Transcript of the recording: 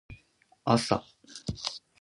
朝